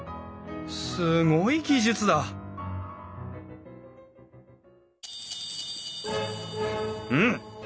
すごい技術だうん！？